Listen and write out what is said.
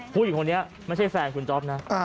ผู้หญิงคนนี้ไม่ใช่แฟนคุณจ๊อปนะ